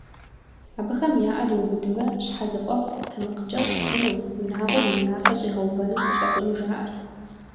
Абыхэм я Ӏэр иубыдмэ, щхьэзыфӀэфӀ, тэмакъкӀэщӀ хъуну, унагъуэр и унафэ щӀигъэувэным хущӀэкъуну жаӀэрт.